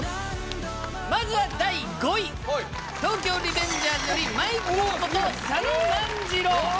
まずは第５位「東京卍リベンジャーズ」よりマイキーこと佐野万次郎